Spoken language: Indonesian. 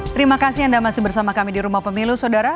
terima kasih anda masih bersama kami di rumah pemilu saudara